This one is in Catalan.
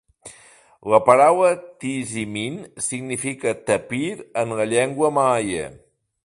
La paraula "tizimin" significa "tapir" en la llengua maia.